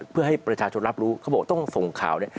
เพื่อให้ประชาชนรับรู้เขาบอกต้องส่งข่าวเนี่ย